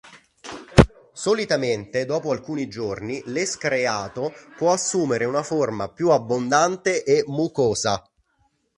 Solitamente dopo alcuni giorni l'escreato può assumere una forma più abbondante e mucosa.